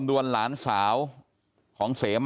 ใช่ค่ะถ่ายรูปส่งให้พี่ดูไหม